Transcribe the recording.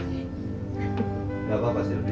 gak apa apa sirvi